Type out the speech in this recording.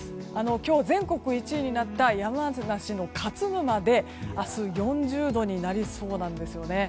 今日全国１位になった山梨の勝沼で明日、４０度になりそうなんですね。